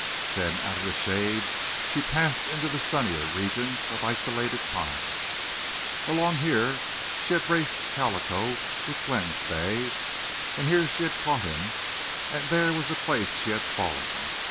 Then out of the shade she passed into the sunnier regions of isolated pines. Along here she had raced Calico with Glenn's bay; and here she had caught him, and there was the place she had fallen.